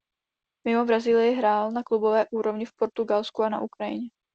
Mimo Brazílii hrál na klubové úrovni v Portugalsku a na Ukrajině.